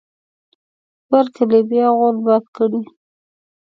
بر کلي بیا غول باد کړی.